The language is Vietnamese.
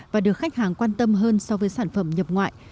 và được khách hàng quan tâm hơn so với sản phẩm nhập ngoại